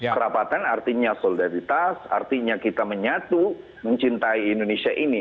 kerapatan artinya solidaritas artinya kita menyatu mencintai indonesia ini